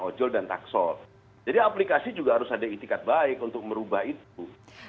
ojol dan taksol jadi aplikasi juga harus ada itikat baik untuk merubah itu